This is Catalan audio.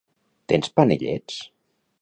Tens panellets?